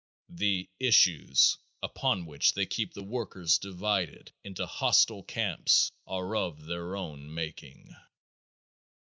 The "issues" upon which they keep the workers divided into hostile camps are of their own making.